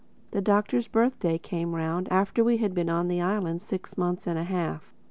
The Doctor's birthday came round after we had been on the island six months and a half.